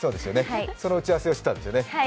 その打ち合わせをしていたんですよね。